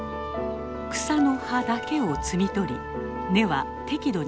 草の葉だけを摘み取り根は適度に残します。